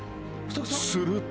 ［すると］